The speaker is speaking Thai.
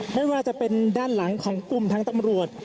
ไม่ว่าจะเป็นด้านหลังของกลุ่มทางตำรวจ